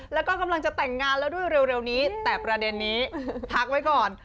แล้วก็กำลังจะแต่งงานแล้วด้วยเร็วนี้แต่ประเด็นนี้พักไว้ก่อน